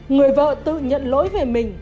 người vợ tự nhận lỗi về mình